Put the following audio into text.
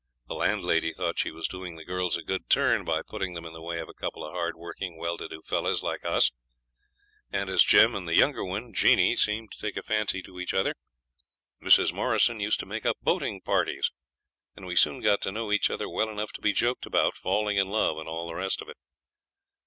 The landlady thought she was doing the girls a good turn by putting them in the way of a couple of hard working well to do fellows like us; and as Jim and the younger one, Jeanie, seemed to take a fancy to each other, Mrs. Morrison used to make up boating parties, and we soon got to know each other well enough to be joked about falling in love and all the rest of it.